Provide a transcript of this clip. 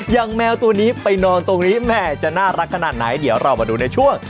แมวตัวนี้ไปนอนตรงนี้แม่จะน่ารักขนาดไหนเดี๋ยวเรามาดูในช่วง